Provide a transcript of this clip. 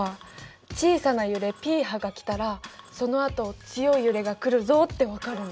小さな揺れＰ波が来たらそのあと強い揺れが来るぞって分かるんだ。